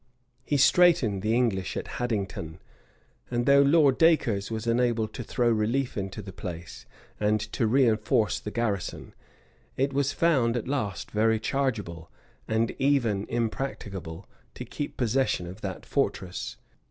He straitened the English at Haddington; and though Lord Dacres was enabled to throw relief into the place, and to reenforce the garrison, it was found at last very chargeable, and even impracticable, to keep possession of that fortress.